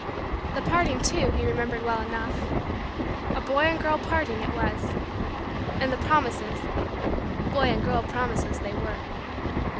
The parting, too, he remembered well enough. A boy and girl parting it was. And the promises boy and girl promises they were.